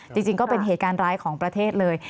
จริงก็เป็นเหตุการณ์ร้ายของประเทศเลย